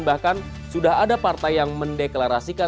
bahkan sudah ada partai yang mendeklarasikan